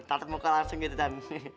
taruh muka langsung gitu tan